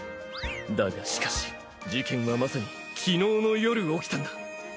だがしかし事件はまさに昨日の夜起きたんだ。